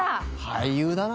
俳優だな。